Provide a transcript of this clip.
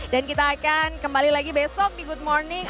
dan kita akan kembali lagi besok di good morning